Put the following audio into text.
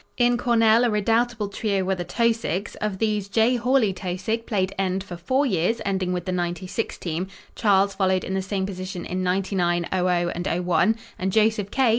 In Cornell a redoubtable trio were the Taussigs. Of these J. Hawley Taussig played end for four years ending with the '96 team. Charles followed in the same position in '99, '00 and '01 and Joseph K.